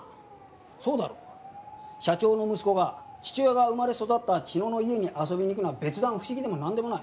そうだろ？社長の息子が父親が生まれ育った茅野の家に遊びに行くのは別段不思議でもなんでもない。